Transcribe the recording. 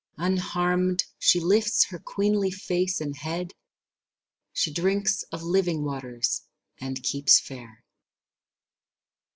Unharmed she lifts her queenly face and head; She drinks of living waters and keeps fair.